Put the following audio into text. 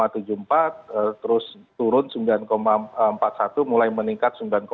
terus turun sembilan empat puluh satu mulai meningkat sembilan